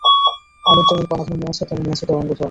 আলোর যেমন কণা ধর্ম আছে, তেমনি আছে তরঙ্গ ধর্ম।